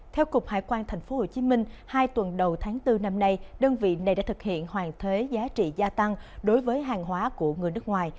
theo cục hải quan tp hcm hai tuần đầu tháng bốn năm nay đơn vị này đã thực hiện hoàn thuế giá trị gia tăng đối với hàng hóa của người nước ngoài